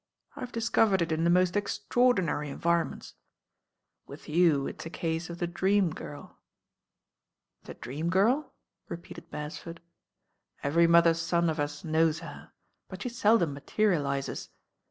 I ve discovered it in the most extraordinary en vironments. With you it's a case of the Dream Girl." 'The Dream Girl?" repeated Beresford. "Every mother's son of us knows her; but she seldom materialises.